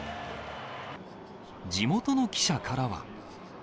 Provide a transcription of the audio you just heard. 地元の記者からは。